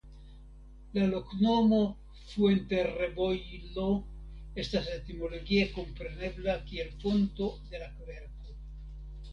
La loknomo "Fuenterrebollo" estas etimologie komprenebla kiel Fonto de la Kverko.